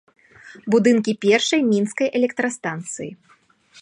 Будынкі першай мінскай электрастанцыі.